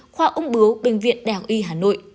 khoa ung bướu bệnh viện đảo y hà nội